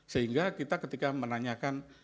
sehingga kita ketika menanyakan